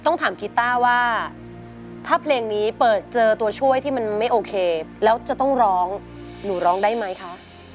ต้องถามกีต้าว่าถ้าเพลงนี้เปิดเจอตัวช่วยที่มันไม่โอเคแล้วจะต้องร้องหนูร้องได้ไหมคะ